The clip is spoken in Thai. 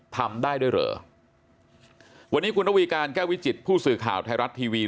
ทำได้ด้วยเหรอวันนี้คุณระวีการแก้ววิจิตผู้สื่อข่าวไทยรัฐทีวี